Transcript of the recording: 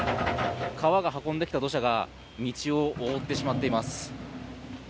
川が運んできた土砂が道を覆ってしまっています。